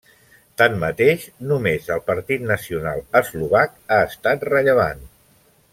Tanmateix, només el Partit Nacional Eslovac ha estat rellevant.